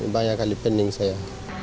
banyak kali pening saya